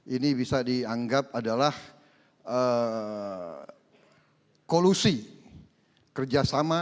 ini bisa dianggap adalah kolusi kerjasama